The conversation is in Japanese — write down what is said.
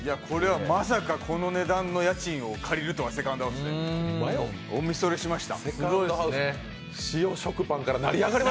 まさかこの値段の家賃を借りるとはセカンドハウスで、おみそれしました。